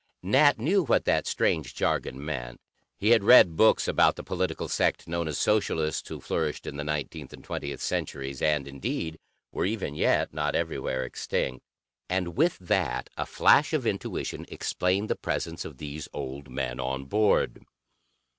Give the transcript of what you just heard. Nat knew what that strange jargon meant. He had read books about the political sect known as Socialists who flourished in the Nineteenth and Twentieth Centuries, and, indeed, were even yet not everywhere extinct. And with that a flash of intuition explained the presence of these old men on board.